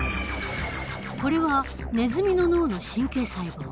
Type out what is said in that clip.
これはネズミの脳の神経細胞。